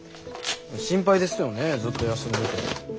心配ですよねずっと休んでて。